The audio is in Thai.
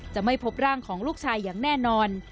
จะไม่พบร่างของลูกชายอย่างแน่นอน